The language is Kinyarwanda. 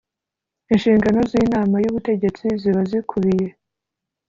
inshingano z inama y ubutegetsi ziba zikubiye